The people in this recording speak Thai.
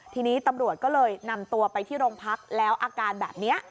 ทีนี้ตำรวจก็เลยนำตัวไปที่โรงพักแล้วอาการแบบนี้